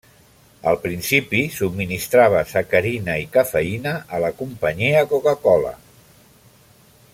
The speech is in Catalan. Al principi subministrava sacarina i cafeïna a la companyia Coca-Cola.